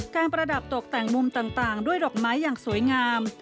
ประดับตกแต่งมุมต่างด้วยดอกไม้อย่างสวยงาม